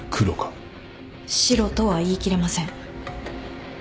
シロとは言い切れません。